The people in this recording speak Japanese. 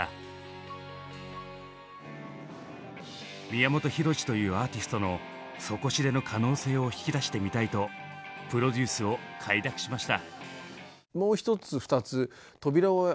宮本浩次というアーティストの底知れぬ可能性を引き出してみたいとプロデュースを快諾しました。